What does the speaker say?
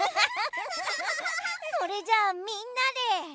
それじゃあみんなで。